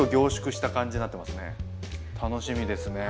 楽しみですね。